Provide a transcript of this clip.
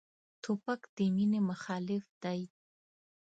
توپک د مینې مخالف دی.